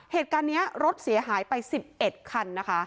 เหตุการณ์นี้รถเสียหายไป๑๑คันนะคะ